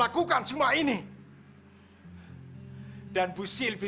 tidak apa omar ribut ribut